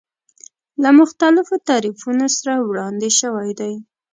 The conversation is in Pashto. له مختلفو تعریفونو سره وړاندې شوی دی.